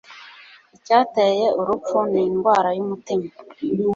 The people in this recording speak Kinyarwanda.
Icyateye urupfu ni indwara y'umutima.